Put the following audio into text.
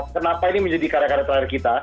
kenapa ini menjadi karya karya terakhir kita